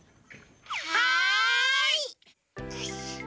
はい！